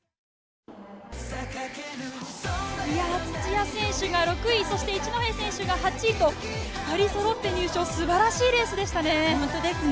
土屋選手が６位、一戸選手が８位と２人そろって入賞、素晴らしいレースでしたね。